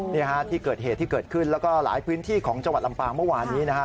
นี่ฮะที่เกิดเหตุที่เกิดขึ้นแล้วก็หลายพื้นที่ของจังหวัดลำปางเมื่อวานนี้นะฮะ